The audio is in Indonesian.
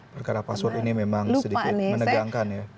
perkara password ini memang sedikit menegangkan ya